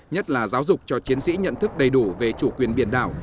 nhất là giáo dục cho chiến sĩ nhận thức đầy đủ về chủ quyền biển đảo